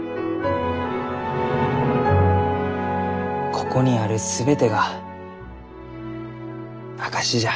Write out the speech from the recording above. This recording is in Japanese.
ここにある全てが証しじゃ。